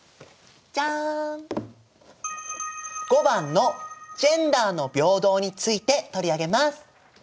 ５番の「ジェンダーの平等」について取り上げます。